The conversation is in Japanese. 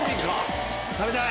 食べたい！